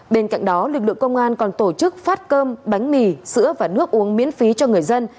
bên cạnh đó lực lượng công an còn tổ chức phát cơm bánh mì sữa và nước uống miễn phí cho người dân